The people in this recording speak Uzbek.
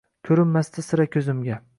Ko’rinmasdi sira ko’zimga